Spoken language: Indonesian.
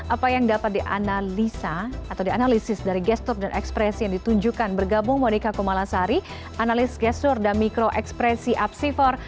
apa yang dapat dianalisa atau dianalisis dari gestur dan ekspresi yang ditunjukkan bergabung monika kumalasari analis gestur dan mikro ekspresi apsifor